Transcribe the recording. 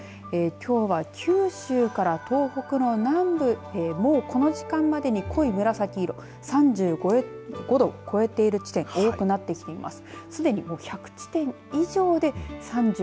きょうは九州から東北の南部、もうこの時間までに濃い紫色、３５度を超えている地点が多くなっています。